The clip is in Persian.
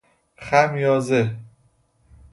خمیازه